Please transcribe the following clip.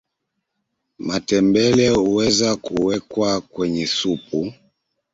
matembele huweza kuwekwa kwenye supu